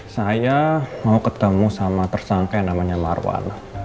saya mau ketemu sama tersangkanya namanya marwan